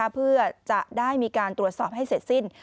เพื่อจะได้มีการตรวจสอบให้เสร็จสิ้น